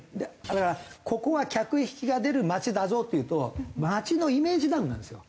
だからここは客引きが出る街だぞって言うと街のイメージダウンなんですよ。